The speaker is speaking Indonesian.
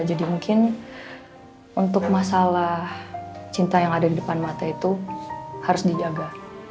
jadi mungkin untuk masalah cinta yang ada di depan mata itu harus dijaga